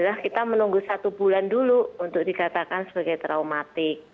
jadi kita menunggu satu bulan dulu untuk dikatakan sebagai traumatic